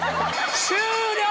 終了！